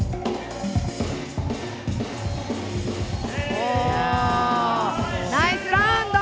おおナイスラウンド！